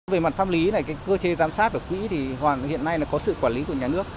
về mặt pháp lý này cơ chế giám sát của quỹ thì hiện nay là có sự quản lý của nhà nước